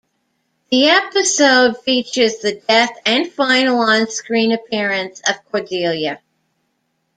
The episode features the death and final onscreen appearance of Cordelia.